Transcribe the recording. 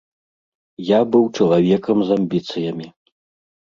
Я быў чалавекам з амбіцыямі.